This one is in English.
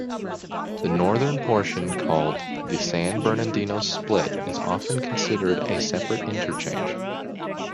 The northern portion, called the San Bernardino Split, is often considered a separate interchange.